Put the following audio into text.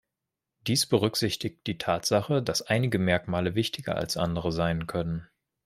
Dies berücksichtigt die Tatsache, dass einige Merkmale wichtiger als andere sein können.